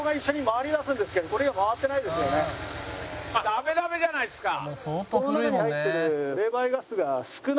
ダメダメじゃないですか。